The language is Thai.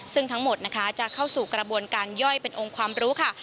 ซึ่งทั้งหมดนะคะจะเข้าสู่กระบวนการย่อยเป็นองค์ความรู้ค่ะ